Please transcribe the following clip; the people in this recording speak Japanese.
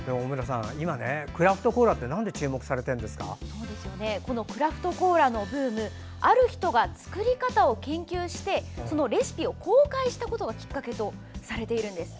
今、クラフトコーラってクラフトコーラのブームある人が作り方を研究してそのレシピを公開したことがきっかけとされているんです。